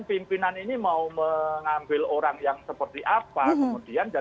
pemimpinan ini mau mengambil orang yang seperti apa